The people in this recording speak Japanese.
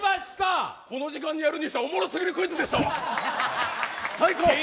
この時間にやるにしては、おもろすぎるクイズでしたわ、最高。